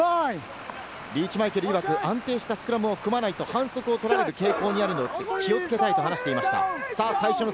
リーチ・マイケルは安定したスクラムを組まないと、反則を取られるケースがあるので、気をつけたいと話していました。